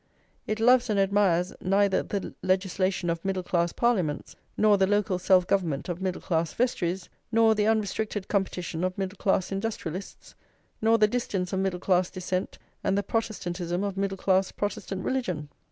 It loves and admires neither the legislation of middle class Parliaments, nor the local self government of middle class vestries, nor the unrestricted competition of middle class industrialists, nor the dissidence of middle class Dissent and the Protestantism of middle class Protestant religion.